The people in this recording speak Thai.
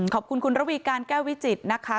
ขอบคุณคุณระวีการแก้ววิจิตรนะคะ